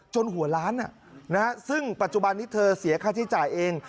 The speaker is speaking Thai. หัวล้านซึ่งปัจจุบันนี้เธอเสียค่าใช้จ่ายเอง